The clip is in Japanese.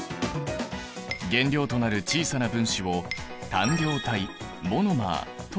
原料となる小さな分子を単量体モノマーという。